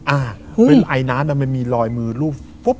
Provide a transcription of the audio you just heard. อ่าไอน้ำมันมีลอยมือรูป